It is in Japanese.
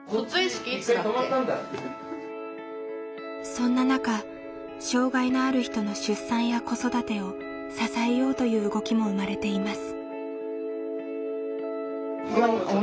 そんな中障害のある人の出産や子育てを支えようという動きも生まれています。